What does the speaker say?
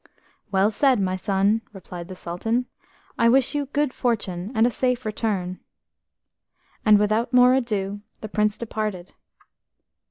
"Well said, my son," replied the Sultan. "I wish you good fortune and a safe return." And without more ado the Prince departed.